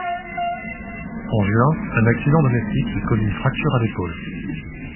En juin, un accident domestique lui cause une fracture à l'épaule.